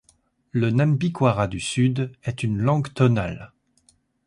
Le nambikuara du sud est une langue tonale.